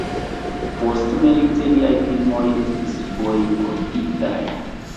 Postmilite liaj filmoj estis bojkotitaj.